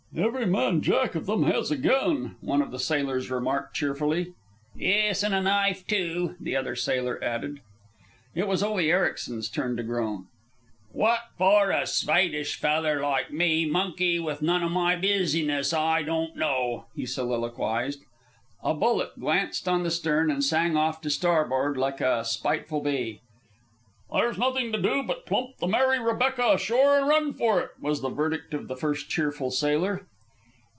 "Every man Jack of them has a gun," one of the sailors remarked cheerfully. "Yes, and a knife, too," the other sailor added. It was Ole Ericsen's turn to groan. "What for a Svaidish faller like me monkey with none of my biziness, I don't know," he soliloquized. A bullet glanced on the stern and sang off to starboard like a spiteful bee. "There's nothing to do but plump the Mary Rebecca ashore and run for it," was the verdict of the first cheerful sailor.